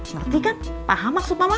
ngerti kan paham maksud mama